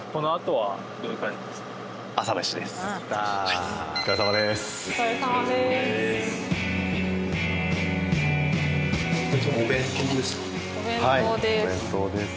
はいお弁当です。